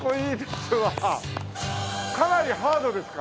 かなりハードですか？